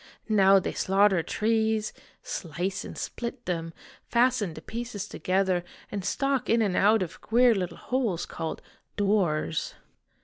Now they slaughter trees, slice and split them, fasten the pieces together, and stalk in and out of queer little holes called ' doors.'